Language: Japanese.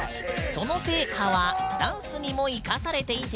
その成果はダンスにもいかされていて。